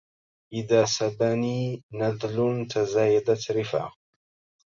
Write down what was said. إذا سبني نذل تزايدت رفعة